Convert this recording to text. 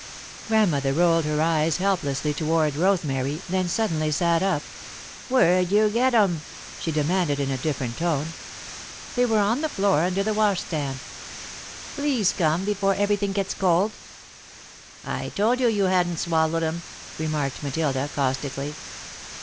Grandmother rolled her eyes helplessly toward Rosemary, then suddenly sat up. "Where'd you get 'em?" she demanded, in a different tone. "They were on the floor under the washstand. Please come before everything gets cold." "I told you you hadn't swallowed 'em," remarked Matilda, caustically.